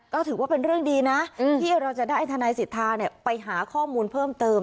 ก็ถือว่าเป็นเรื่องดีนะที่เราจะได้ทนายสิทธาไปหาข้อมูลเพิ่มเติม